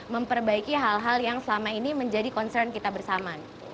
memperbaiki hal hal yang selama ini menjadi concern kita bersama